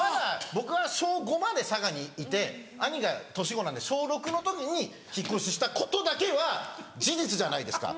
僕は小５まで兄が年子なんで小６の時に引っ越ししたことだけは事実じゃないですか。